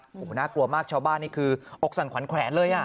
โอ้โหน่ากลัวมากชาวบ้านนี่คืออกสั่นขวัญแขวนเลยอ่ะ